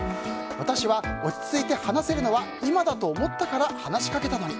私は、落ち着いて話せるのは今だと思ったから話しかけたのに。